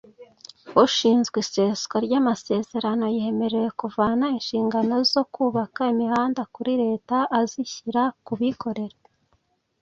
ushinzwe iseswa ryamasezerano yemerewe kuvana inshingano zo kubaka imihanda kuri leta azishyira kubikorera